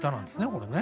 これね。